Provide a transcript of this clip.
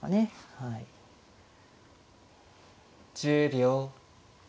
１０秒。